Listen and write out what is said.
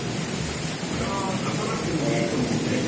これは出さなくてもいいと思うね。